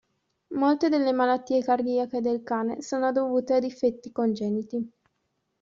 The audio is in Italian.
Molte delle malattie cardiache del cane sono dovute a difetti congeniti.